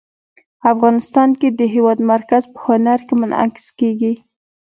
افغانستان کې د هېواد مرکز په هنر کې منعکس کېږي.